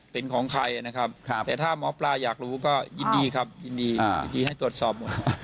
เป็นของใครนะครับแต่ถ้าหมอปลาอยากรู้ก็ยินดีครับยินดียินดีให้ตรวจสอบหมด